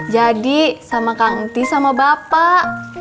jadi sama kang nti sama bapak